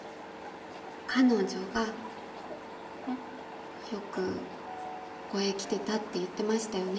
彼女がよくここへ来てたって言ってましたよね？